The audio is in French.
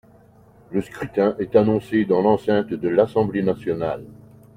Le scrutin est annoncé dans l’enceinte de l’Assemblée nationale.